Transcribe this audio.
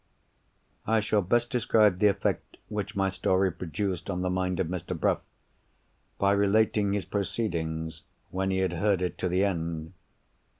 I shall best describe the effect which my story produced on the mind of Mr. Bruff by relating his proceedings when he had heard it to the end.